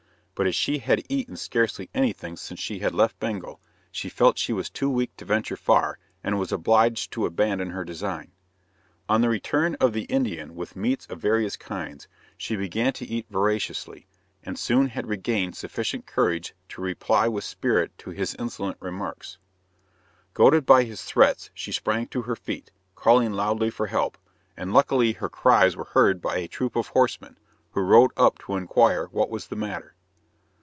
But as she had eaten scarcely anything since she had left Bengal, she felt she was too weak to venture far, and was obliged to abandon her design. On the return of the Indian with meats of various kinds, she began to eat voraciously, and soon had regained sufficient courage to reply with spirit to his insolent remarks. Goaded by his threats she sprang to her feet, calling loudly for help, and luckily her cries were heard by a troop of horsemen, who rode up to inquire what was the matter.